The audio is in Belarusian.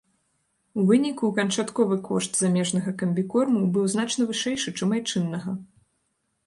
У выніку канчатковы кошт замежнага камбікорму быў значна вышэйшы, чым айчыннага.